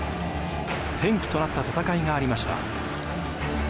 転機となった戦いがありました。